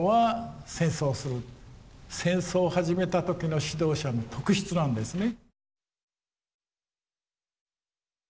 戦争を始めた時の指導者の特質なんですね。